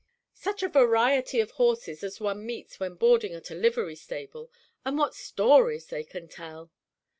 Such a variety of horses as one meets when boarding at a livery stable, and what stories they can tell!